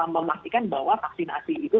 memastikan bahwa vaksinasi itu